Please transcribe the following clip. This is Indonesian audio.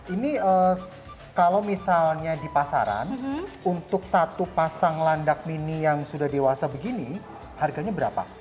ini kalau misalnya di pasaran untuk satu pasang landak mini yang sudah dewasa begini harganya berapa